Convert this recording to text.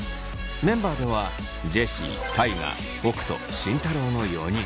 メンバーではジェシー大我北斗慎太郎の４人。